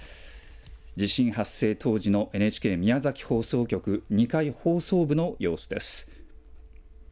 地震発生当時のＮＨＫ宮崎放送局２階放送部の様子です。